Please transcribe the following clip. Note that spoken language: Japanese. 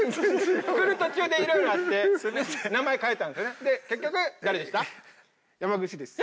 来る途中でいろいろあって名前変えたんですよね。